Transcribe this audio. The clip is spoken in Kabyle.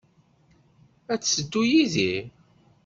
Ad d-teddu yid-i?